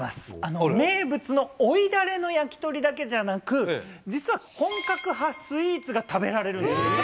名物のおいだれの焼き鳥だけじゃなく実は本格派スイーツが食べられるんです。